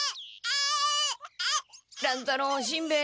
乱太郎しんべヱ